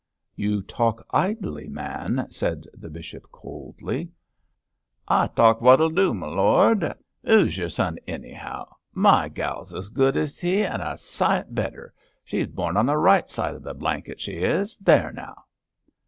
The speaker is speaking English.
'You talk idly, man,' said the bishop, coldly. 'I talk wot'll do, m' lord. Who's yer son, anyhow? My gal's as good as he, an' a sight better. She's born on the right side of the blanket, she is. There now!'